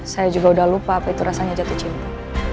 saya juga udah lupa apa itu rasanya jatuh cinta